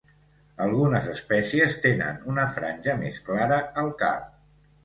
Algunes espècies tenen una franja més clara al cap.